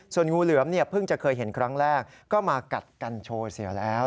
ส่วนงูเหลือมเนี่ยเพิ่งจะเคยเห็นครั้งแรกก็มากัดกันโชว์เสือแล้ว